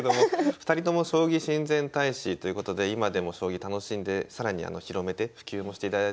２人とも将棋親善大使ということで今でも将棋楽しんで更に広めて普及もしていただいてるので大変棋士としてもありがたいかぎりです。